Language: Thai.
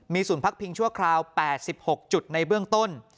ศูนย์พักพิงชั่วคราว๘๖จุดในเบื้องต้น